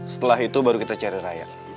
setelah itu baru kita cari raya